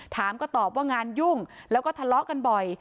ถามก็ตอบว่างานยุ่งแล้วก็ทะเลาะกันบ่อย